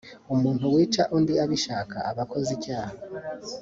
umuntu wica undi abishaka aba akoze icyaha